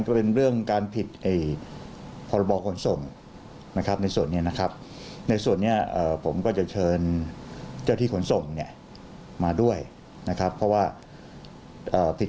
ก็ต้องแจ้งทุกข้อหานะครับ